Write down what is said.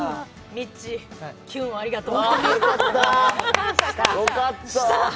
みっちー、キュンをありがとう。